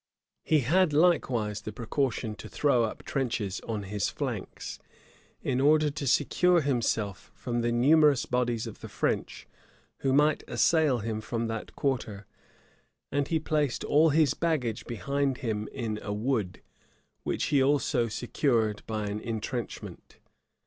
He had likewise the precaution to throw up trenches on his flanks, in order to secure himself from the numerous bodies of the French who might assail him from that quarter; and he placed all his baggage behind him in a wood, which he also secured by an intrenchment.